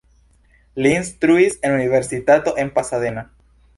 Li instruis en universitato en Pasadena.